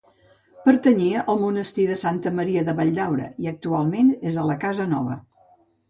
Pertanyia al Monestir de Santa Maria de Valldaura i actualment és a la Casa Nova.